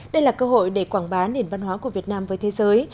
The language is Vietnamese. đây là cơ hội để quảng bá nền văn hóa của việt nam với thế giới